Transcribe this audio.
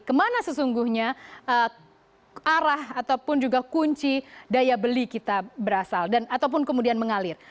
kemana sesungguhnya arah ataupun juga kunci daya beli kita berasal dan ataupun kemudian mengalir